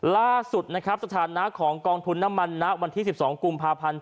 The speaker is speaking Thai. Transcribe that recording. ล่าสุดนะครับสถานะของกองทุนน้ำมันณวันที่๑๒กุมภาพันธ์